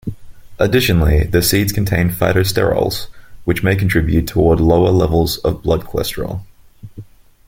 Additionally, the seeds contain phytosterols which may contribute toward lower levels of blood cholesterol.